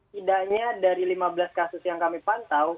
tidaknya dari lima belas kasus yang kami pantau